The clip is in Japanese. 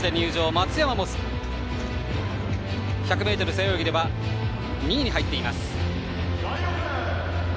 松山も１００ｍ背泳ぎでは２位に入っています。